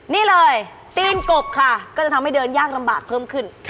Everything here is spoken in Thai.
นี่เลยตีนกบค่ะก็จะทำให้เดินยากลำบากเพิ่มขึ้น